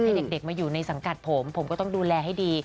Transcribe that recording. ให้เด็กมาอยู่ในสังกัดผมผมก็ต้องดูแลให้ดี